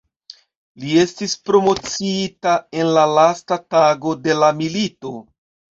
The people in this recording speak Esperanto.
Li estis promociita en la lasta tago de la milito.